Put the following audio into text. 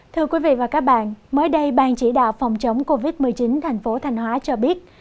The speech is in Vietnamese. thưa quý vị và các bạn mới đây ban chỉ đạo phòng chống covid một mươi chín thành phố thanh hóa cho biết